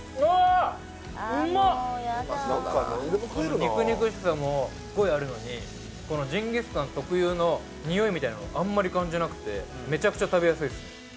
肉肉しさもすっごいあるのにこのジンギスカン特有のニオイみたいなのあんまり感じなくてめちゃくちゃ食べやすいっすね